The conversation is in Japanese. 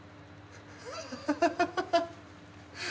ハハハハ。